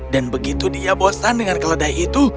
dan begitu dia bosan dengan keledai itu